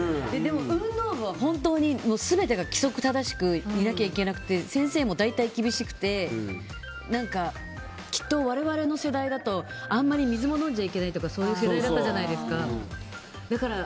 運動部は本当に全てが規則正しくいなきゃいけなくて先生も大体厳しくてきっと我々の世代だとあまり水も飲んじゃいけないとかそういう世代だったじゃないですか。